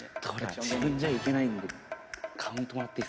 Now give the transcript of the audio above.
自分じゃいけないんでカウントもらっていいっすか？